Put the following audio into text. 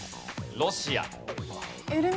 ロシア。